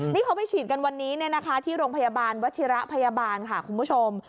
นี่เขาไปฉีดกันวันนี้ที่โรงพยาบาลวัชิระพยาบาลค่ะคุณผู้ชม